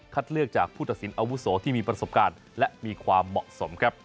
เลือกจากผู้ตัดสินอาวุโสที่มีประสบการณ์และมีความเหมาะสมครับ